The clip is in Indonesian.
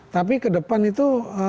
tapi kedepan itu